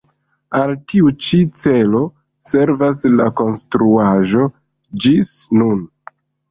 Al tiu ĉi celo servas la konstruaĵo ĝis nun.